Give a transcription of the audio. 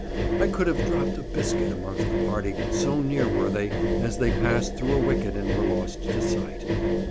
I could have dropped a biscuit amongst the party, so near were they, as they passed through a wicket and were lost to sight.